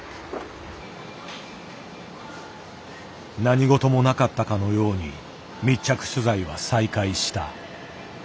何事もなかったかのように密着取材は再開した。